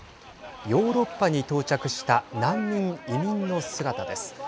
ヨーロッパに到着した難民、移民の姿です。